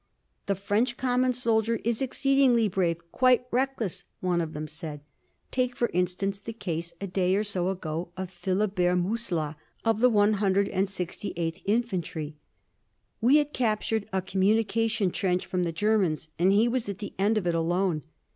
"The French common soldier is exceedingly brave quite reckless," one of them said. "Take, for instance, the case, a day or so ago, of Philibert Musillat, of the 168th Infantry. We had captured a communication trench from the Germans and he was at the end of it, alone.